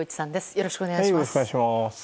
よろしくお願いします。